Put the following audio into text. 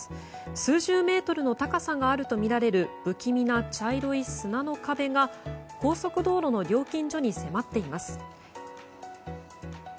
数十メートルの高さがあるとみられる、不気味な茶色い砂の壁が高速道路の料金所に迫っています。